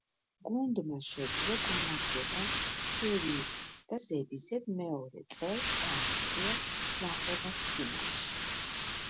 გუნდმა შეძლო გამარჯვება სერიის და ზედიზედ მეორე წელს გააღწია ნახევარ-ფინალში.